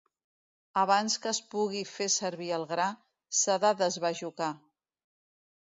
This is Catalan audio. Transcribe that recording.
Abans que es pugui fer servir el gra, s'ha de desbajocar.